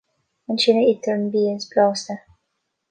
Ansin a itear an bia is blasta.